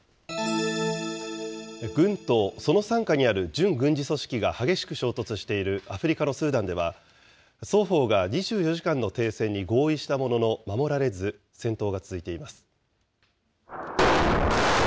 軍とその傘下にある準軍事組織が激しく衝突しているアフリカのスーダンでは、双方が２４時間の停戦に合意したものの守られず、戦闘が続いています。